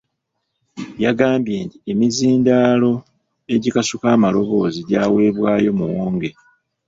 Yagambye nti emizindaalo egikasuka amaloboozi gyaweebwayo Muwonge.